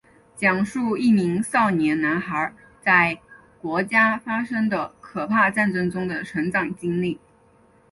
讲述一名少年男孩在国家发生的可怕战争中的成长经历。